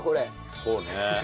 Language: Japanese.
そうね。